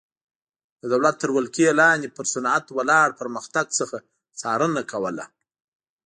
د دولت تر ولکې لاندې پر صنعت ولاړ پرمختګ څخه څارنه کوله.